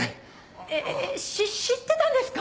えっ知ってたんですか？